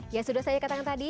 ya sudah saya katakan tadi